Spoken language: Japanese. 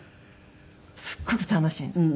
すごく楽しいの。